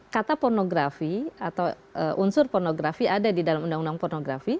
kata pornografi atau unsur pornografi ada di dalam undang undang pornografi